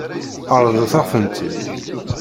Ṛeḍlet-aɣ-tent-id.